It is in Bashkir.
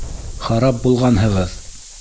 Харап булғанһығыҙ!